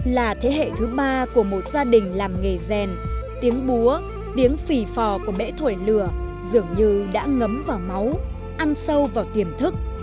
là thế hệ thứ ba của một gia đình làm nghề rèn tiếng búa tiếng phì phò của mễ thổi lửa dường như đã ngấm vào máu ăn sâu vào tiềm thức